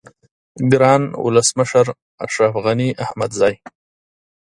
گران ولس مشر اشرف غنی احمدزی